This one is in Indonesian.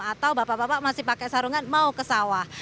atau bapak bapak masih pakai sarungan mau ke sawah